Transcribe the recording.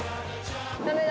ダメだ。